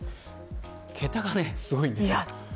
桁がすごいです。